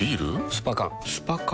スパ缶スパ缶？